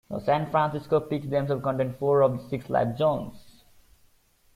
The San Francisco Peaks themselves contain four of the six life zones.